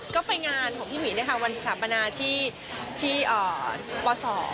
ก็ไปงานของพี่หมีวันสัมปนาที่ป๒